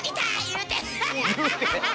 言うて？